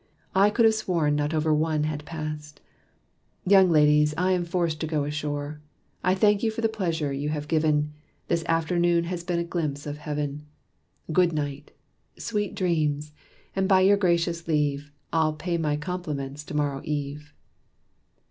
I could have sworn not over one had passed. Young ladies, I am forced to go ashore! I thank you for the pleasure you have given; This afternoon has been a glimpse of heaven. Good night sweet dreams! and by your gracious leave, I'll pay my compliments to morrow eve."